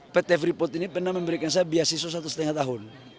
pt freeport ini pernah memberikan saya biaya siswa satu setengah tahun